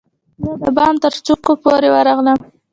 زه د بام ترڅوکو پورې ورغلم